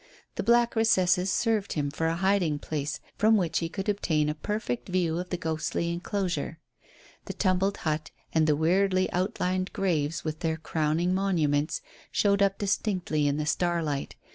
The black recesses served him for a hiding place from which he could obtain a perfect view of the ghostly enclosure. The tumbled hut and the weirdly outlined graves with their crowning monuments showed up distinctly in the starlight.